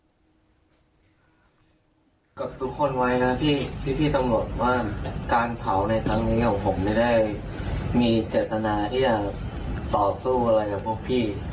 กับทุกคนไว้นะพี่ตำรวจว่าการเผาในครั้งนี้ของผมไม่ได้มีเจตนาที่จะต่อสู้อะไรกับพวกพี่